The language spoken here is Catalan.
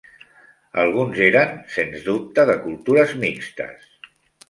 Alguns eren, sens dubte, de cultures mixtes.